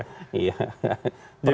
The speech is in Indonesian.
jadi dua poros ya